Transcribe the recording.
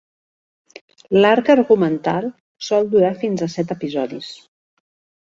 L'arc argumental sol durar fins a set episodis.